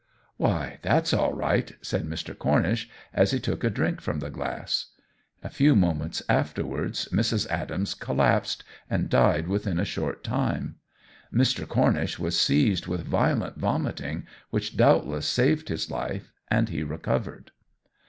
"Why, that's all right!" said Mr. Cornish, as he took a drink from the glass. A few moments afterwards Mrs. Adams collapsed, and died within a short time. Mr. Cornish was seized with violent vomiting, which doubtless saved his life, and he recovered.